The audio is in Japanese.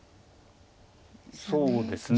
そうですね。